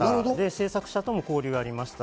制作者とも交流がありました。